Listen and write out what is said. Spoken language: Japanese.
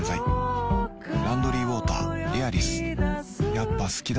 やっぱ好きだな